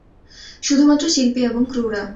শুধুমাত্র শিল্পী এবং ক্রু রা।